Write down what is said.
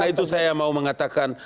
karena itu saya mau mengatakan